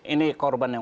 ini korban yang